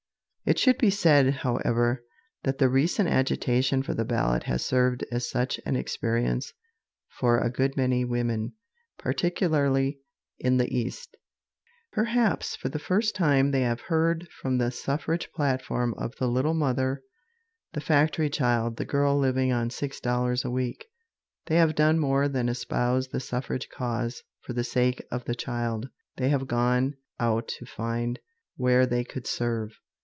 It should be said, however, that the recent agitation for the ballot has served as such an experience for a good many women, particularly in the East. Perhaps for the first time they have heard from the suffrage platform of the "little mother," the factory child, the girl living on $6 a week. They have done more than espouse the suffrage cause for the sake of the child; they have gone out to find where they could serve.